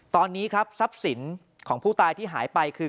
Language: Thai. ตอนนี้ครับทรัพย์สินของผู้ตายที่หายไปคือ